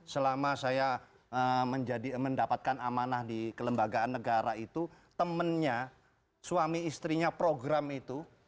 selama saya mendapatkan amanah di kelembagaan negara itu temennya suami istrinya program itu